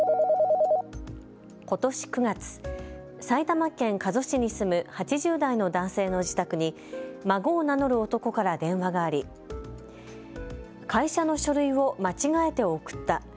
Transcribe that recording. ことし９月、埼玉県加須市に住む８０代の男性の自宅に孫を名乗る男から電話があり会社の書類を間違えて送った。